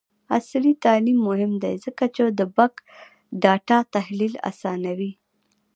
عصري تعلیم مهم دی ځکه چې د بګ ډاټا تحلیل اسانوي.